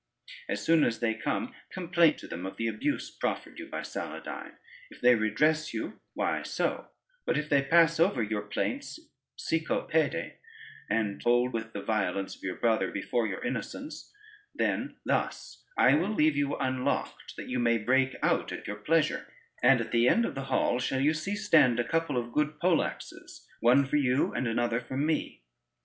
As soon as they come, complain to them of the abuse proffered you by Saladyne. If they redress you, why so: but if they pass over your plaints sicco pede, and hold with the violence of your brother before your innocence, then thus: I will leave you unlocked that you may break out at your pleasure, and at the end of the hall shall you see stand a couple of good poleaxes, one for you and another for me.